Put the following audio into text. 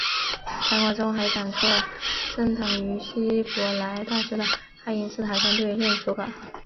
展馆中还展出了珍藏于希伯来大学的爱因斯坦相对论手稿。